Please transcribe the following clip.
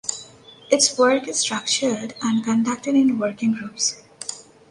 Its work is structured and conducted in working groups.